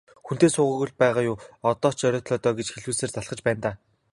Хүнтэй суугаагүй л байгаа юу, одоо ч оройтлоо доо гэж хэлүүлсээр залхаж байна даа.